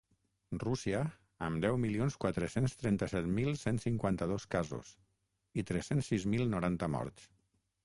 Rússia, amb deu milions quatre-cents trenta-set mil cent cinquanta-dos casos i tres-cents sis mil noranta morts.